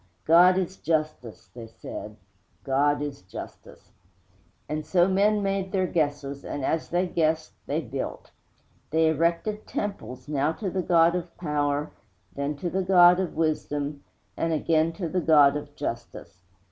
'God is Justice,' they said, 'God is Justice!' And so men made their guesses, and, as they guessed, they built. They erected temples, now to the God of Power, then to the God of Wisdom, and again to the God of Justice.